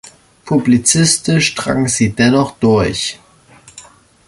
Publizistisch drang sie dennoch durch.